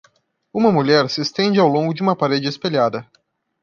Uma mulher se estende ao longo de uma parede espelhada.